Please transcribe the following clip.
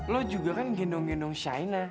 lu juga kan gendong gendong shaina